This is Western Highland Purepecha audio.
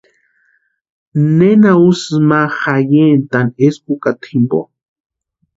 ¿Nena úsïni ma jayentani eskwa ukata jimpo?